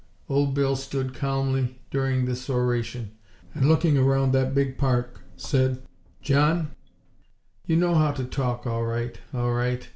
'" Old Bill stood calmly during this oration, and, looking around that big park, said: "John, you know how to talk, all right, all right.